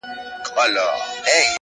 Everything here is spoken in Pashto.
• خدای ورکړي دوه زامن په یوه شپه وه,